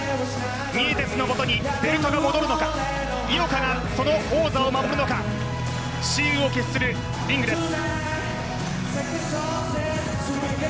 ニエテスの元にベルトが戻るのか井岡がその王座を守るのか、雌雄を決するリングです。